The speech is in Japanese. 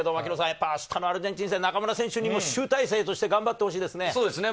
あしたのアルゼンチン戦、中村選手にも集大成として頑張ってほしいですね。